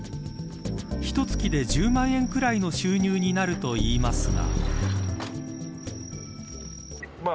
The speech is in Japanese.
ひと月で１０万円くらいの収入になるといいますが。